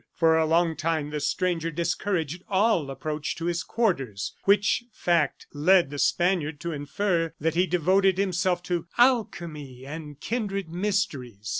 For a long time the stranger discouraged all approach to his quarters, which fact led the Spaniard to infer that he devoted himself to alchemy and kindred mysteries.